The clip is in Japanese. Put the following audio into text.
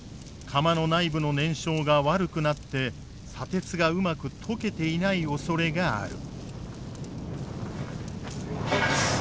釜の内部の燃焼が悪くなって砂鉄がうまく溶けていないおそれがある。